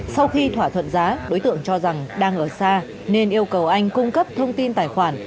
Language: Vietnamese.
sau khi thỏa thuận giá đối tượng cho rằng đang ở xa nên yêu cầu anh cung cấp thông tin tài khoản